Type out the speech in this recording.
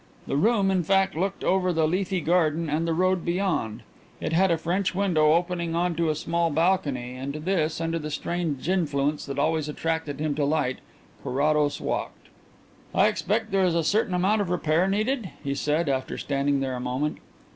The room, in fact, looked over the leafy garden and the road beyond. It had a French window opening on to a small balcony, and to this, under the strange influence that always attracted him to light, Carrados walked. "I expect that there is a certain amount of repair needed?" he said, after standing there a moment.